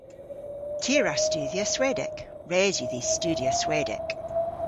Ty a wra studhya Swedek. Res yw dhis studhya Swedek.